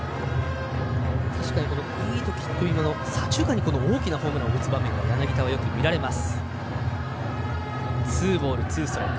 いいときというのは左中間に大きなホームランを打つ場面が柳田は多く見られます。